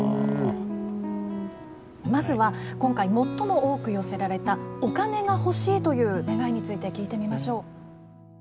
まずは今回、最も多く寄せられたお金が欲しいという願いについて聞いてみましょう。